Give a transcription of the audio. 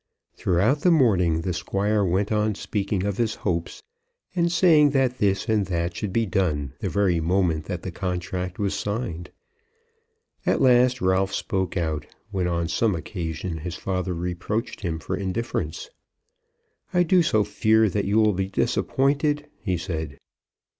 Throughout the morning the Squire went on speaking of his hopes, and saying that this and that should be done the very moment that the contract was signed; at last Ralph spoke out, when, on some occasion, his father reproached him for indifference. "I do so fear that you will be disappointed," he said.